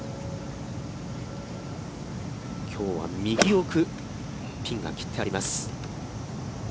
きょうは右奥、ピンが切ってあります。